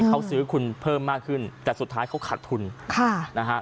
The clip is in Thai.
เขาซื้อคุณเพิ่มมากขึ้นแต่สุดท้ายเขาขัดทุนค่ะนะฮะ